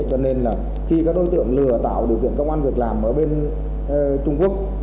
cho nên là khi các đối tượng lừa tạo điều kiện công an việc làm ở bên trung quốc